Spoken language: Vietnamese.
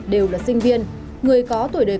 đều là sinh viên người có tuổi đời